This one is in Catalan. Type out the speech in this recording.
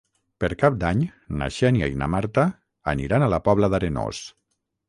Per Cap d'Any na Xènia i na Marta aniran a la Pobla d'Arenós.